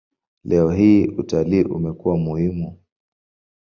Leo hii utalii umekuwa muhimu.